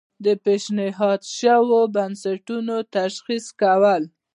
د پیشنهاد شویو بستونو تشخیص کول.